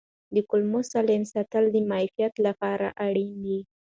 د کولمو سالم حالت د معافیت لپاره اړین دی.